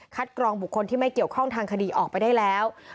กรองบุคคลที่ไม่เกี่ยวข้องทางคดีออกไปได้แล้ว